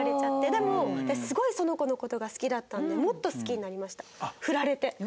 でも私すごいその子の事が好きだったのでもっと好きになりましたフラれて。